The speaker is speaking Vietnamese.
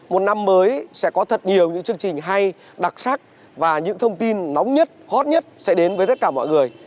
một năm mới sẽ có thật nhiều những chương trình hay đặc sắc và những thông tin nóng nhất hot nhất sẽ đến với tất cả mọi người